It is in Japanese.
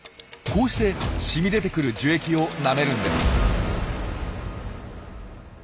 こうして染み出てくる樹液をなめるんです。